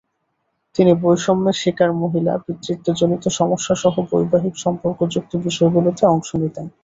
তিনি বৈষম্যের শিকার মহিলা, পিতৃত্বজনিত সমস্যাসহ বৈবাহিক সম্পর্কযুক্ত বিষয়গুলোতে অংশ নিতেন।